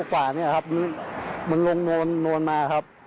๑๐เมตรกว่านี่ครับมันลงโมนมาครับ